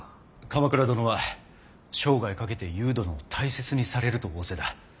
鎌倉殿は生涯かけてゆう殿を大切にされると仰せだ。